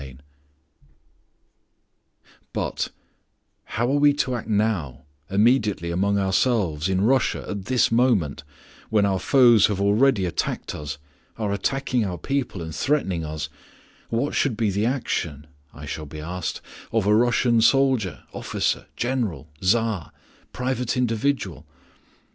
IX But "How are we to act now, immediately among ourselves, in Russia, at this moment, when our foes have already attacked us, are killing our people, and threatening us; what should be the action," I shall be asked, "of a Russian soldier, officer, general, Tsar, private individual?